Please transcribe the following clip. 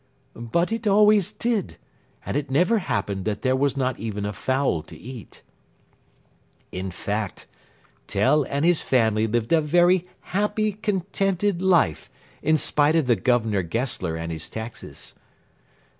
But it always did, and it never happened that there was not even a fowl to eat. [Illustration: Frontispiece] In fact, Tell and his family lived a very happy, contented life, in spite of the Governor Gessler and his taxes.